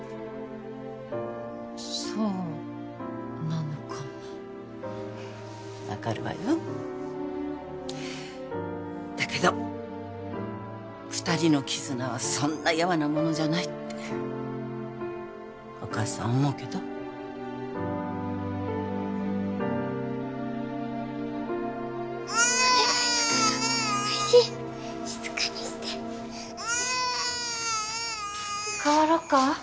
そうなのかも分かるわよだけど二人の絆はそんなやわなものじゃないってお母さん思うけどお願いだから静かにしてはい代わろっか？